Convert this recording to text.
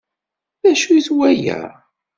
D acu-t waya?